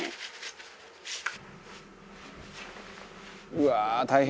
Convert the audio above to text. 「うわあ大変！」